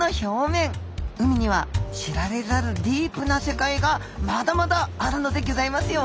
海には知られざるディープな世界がまだまだあるのでぎょざいますよ。